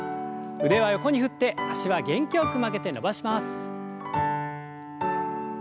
腕は横に振って脚は元気よく曲げて伸ばします。